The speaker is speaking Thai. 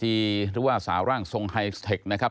หรือว่าสาวร่างทรงไฮสเทคนะครับ